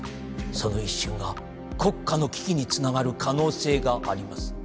その一瞬が国家の危機につながる可能性があります